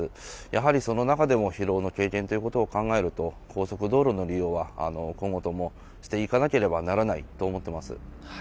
やはり、その中でも疲労の軽減ということを考えると、高速道路の利用は、今後ともしていかなければならないと思っています。